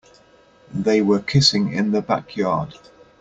They were kissing in the backyard.